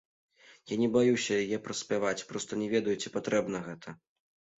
Я не баюся яе праспяваць, проста не ведаю, ці патрэбна гэта.